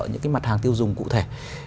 những mặt hàng tiêu dùng cụ thể